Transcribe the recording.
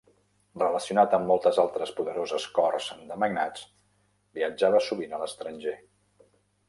Relacionat amb moltes altres poderoses corts de magnats, viatjava sovint a l'estranger.